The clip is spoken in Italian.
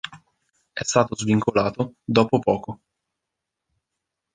È stato svincolato dopo poco.